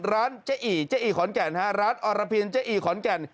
ร้านเจ๋อีออรพินขอนแก่น